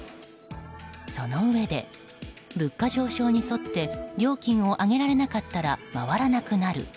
そのうえで物価上昇に沿って料金を上げられなかったら回らなくなる。